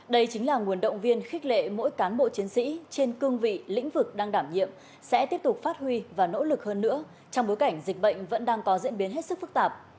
đây chính là nguồn động viên khích lệ mỗi cán bộ chiến sĩ trên cương vị lĩnh vực đang đảm nhiệm sẽ tiếp tục phát huy và nỗ lực hơn nữa trong bối cảnh dịch bệnh vẫn đang có diễn biến hết sức phức tạp